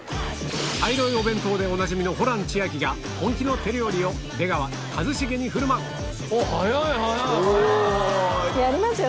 茶色いお弁当でおなじみのホラン千秋が本気の手料理を出川一茂に振る舞うやりますよ